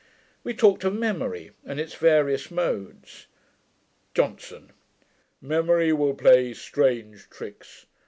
We talked of memory, and its various modes. JOHNSON. 'Memory will play strange tricks.